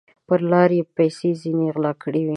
پر لار یې پیسې ځیني غلا کړي وې